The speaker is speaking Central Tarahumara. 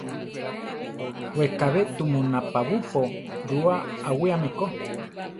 Wekabé tumu napabúpo rua awíame ko.